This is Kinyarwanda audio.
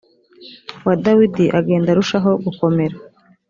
wa dawidi agenda arusha ho gukomera